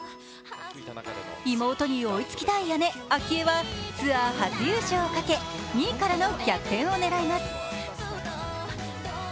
妹に追いつきたい姉・明愛はツアー初優勝をかけ２位からの逆転を狙います。